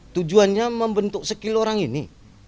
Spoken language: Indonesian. tujuannya membentuk skill orang ini